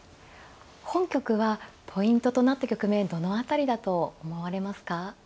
本局はポイントとなった局面どの辺りだと思われますか。